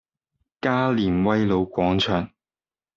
加連威老廣場